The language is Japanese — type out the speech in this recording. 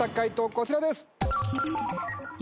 こちらです。